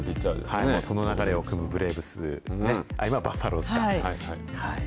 その流れをくむ阪急ブレーブスね、あっ、今、バファローズか。